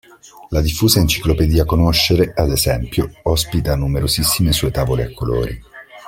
La diffusa enciclopedia "Conoscere", ad esempio, ospita numerosissime sue tavole a colori.